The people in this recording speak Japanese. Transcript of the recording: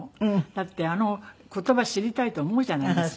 だってあの言葉知りたいと思うじゃないですか。